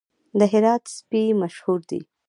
د هرات سپي مشهور دي